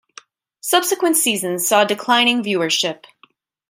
Subsequent seasons saw declining viewership.